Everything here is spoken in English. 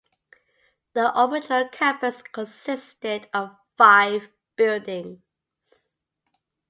The original campus consisted of five buildings.